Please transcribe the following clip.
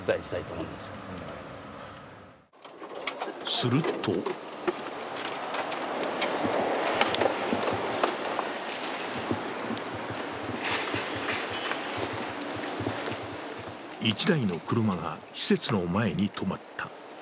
すると１台の車が施設の前に止まった。